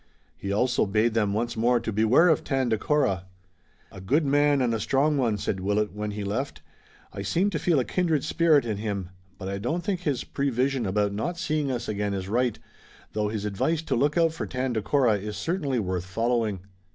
He also bade them once more to beware of Tandakora. "A good man and a strong one," said Willet, when, he left. "I seem to feel a kindred spirit in him, but I don't think his prevision about not seeing us again is right, though his advice to look out for Tandakora is certainly worth following."